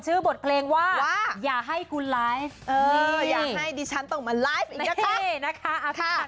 ชื่อบทเพลงว่าเอ่ออย่าให้ดิฉันต้องมาไลฟ์เองอีกหรอ